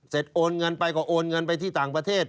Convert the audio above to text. โอนเงินไปก็โอนเงินไปที่ต่างประเทศ